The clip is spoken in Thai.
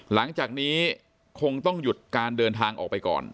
หลังจากนี้คงต้องหยุดการเดินทางออกไปก่อน